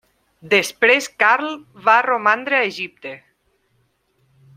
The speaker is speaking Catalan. Després Karl va romandre a Egipte.